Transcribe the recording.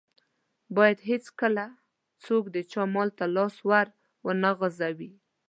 بايد هيڅکله څوک د چا مال ته لاس ور و نه غزوي.